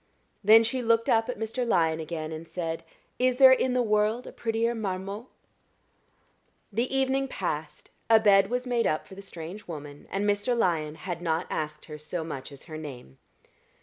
Then she looked up at Mr. Lyon again and said, "Is there in the world a prettier marmot?" The evening passed; a bed was made up for the strange woman, and Mr. Lyon had not asked her so much as her name.